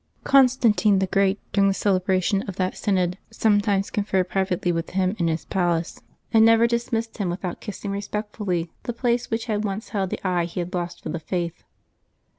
Constantine the Great, during the celebration of that synod, sometimes conferred privately with him in his 312 LIVES OF THE SAINTS [September 12 palace, and never dismissed him without kissing respect fully the place which had once held the eye he had lost for the Faith.